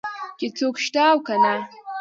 چې څوک شته او که نه.